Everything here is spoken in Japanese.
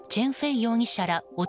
容疑者ら男